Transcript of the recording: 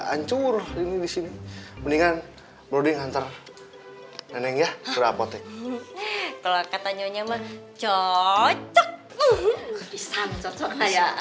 ancur ini disini mendingan brody nganter neng ya ke apotek kalau kata nyonya mah cocok